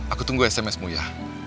aku tunggu sms mu ya